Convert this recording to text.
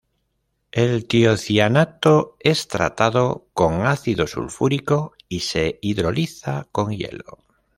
El tiocianato es tratado con ácido sulfúrico y se hidroliza con hielo.